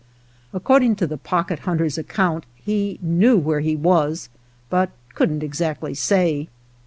According to the Pocket Hunter's account, he knew where he was, but could n't exactly say.